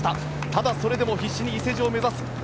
ただ、それでも必死に伊勢路を目指す。